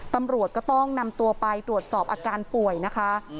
ตำรวจก็ต้องนำตัวไปตรวจสอบอาการป่วยนะคะ